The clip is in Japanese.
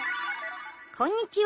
こんにちは！